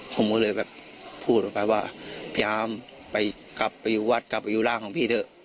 ผมก็เลยแบบพูดออกไปว่าพยายามไปกลับไปอยู่วัดกลับไปอยู่ร่างของพี่เถอะ